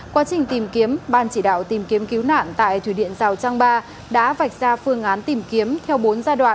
quá trình tìm kiếm ban chỉ đạo tìm kiếm cứu nạn tại thủy điện rào trăng ba đã vạch ra phương án tìm kiếm theo bốn giai đoạn